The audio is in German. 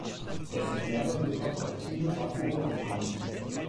Es sind mehrere kontraktile Vakuolen vorhanden.